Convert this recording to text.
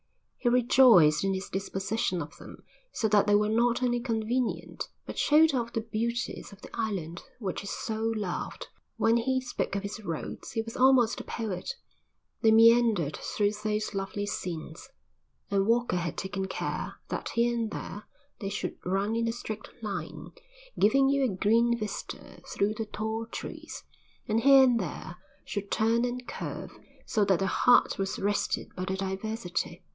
He rejoiced in his disposition of them so that they were not only convenient, but showed off the beauties of the island which his soul loved. When he spoke of his roads he was almost a poet. They meandered through those lovely scenes, and Walker had taken care that here and there they should run in a straight line, giving you a green vista through the tall trees, and here and there should turn and curve so that the heart was rested by the diversity.